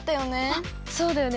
あっそうだよね。